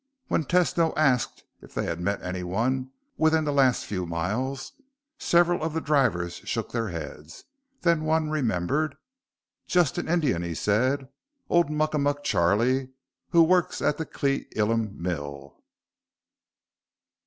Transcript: When Tesno asked if they had met anyone within the last few miles, several of the drivers shook their heads. Then one remembered. "Just an Injun," he said. "Old Muckamuck Charlie who works at the Cle Elum mill."